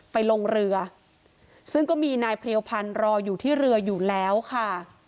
ไปลงเรือซึ่งก็มีนายเพรียวพันธ์รออยู่ที่เรืออยู่แล้วค่ะ